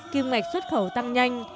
kiêm ngạch xuất khẩu tăng nhanh